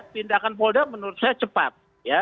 tindakan polda menurut saya cepat